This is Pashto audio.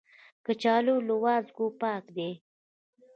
کچالو له وازګو پاک دي